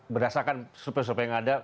berdasarkan supaya supaya yang ada